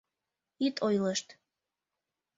Ит ойлышт.